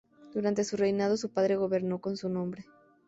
Durante su reinado, su padre gobernó en su nombre.